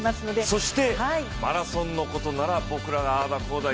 そしてマラソンのことなら僕らがああだ